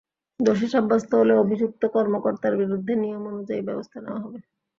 দোষী সাব্যস্ত হলে অভিযুক্ত কর্মকর্তার বিরুদ্ধে নিয়ম অনুযায়ী ব্যবস্থা নেওয়া হবে।